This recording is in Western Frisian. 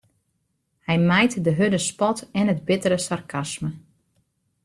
Hy mijt de hurde spot en it bittere sarkasme.